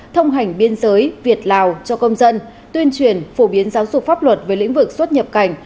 thông hành biên giới việt lào cho công dân tuyên truyền phổ biến giáo dục pháp luật về lĩnh vực xuất nhập cảnh